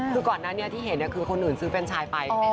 คือก่อนนั้นที่เห็นคือคนอื่นซื้อแฟนชายไป